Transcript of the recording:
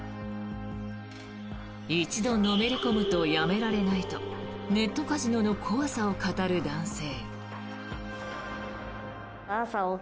一度のめり込むとやめられないとネットカジノの怖さを語る男性。